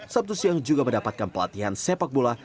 sabtu siang juga mendapatkan pelatihan sepak bola